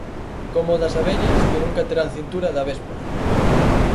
Como o das abellas que nunca terán cintura de avéspora.